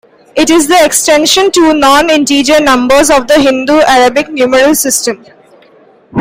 It is the extension to non-integer numbers of the Hindu-Arabic numeral system.